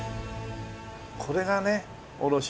これがねおろしの。